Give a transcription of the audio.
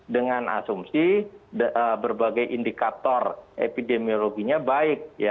dengan asumsi berbagai indikator epidemiologinya baik